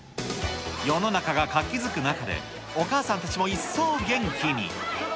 世の中が活気づく中で、お母さんたちも一層元気に。